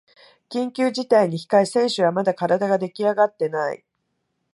緊急事態に控え選手はまだ体ができあがってない